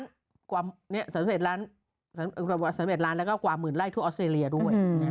สามสิบเอ็ดล้านสามสิบเอ็ดล้านแล้วกว่าหมื่นไร่ทั่วออสเตรเลียด้วย